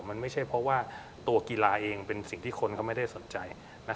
มันไม่ใช่เพราะว่าตัวกีฬาเองเป็นสิ่งที่คนก็ไม่ได้สนใจ